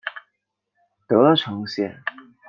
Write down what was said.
德城线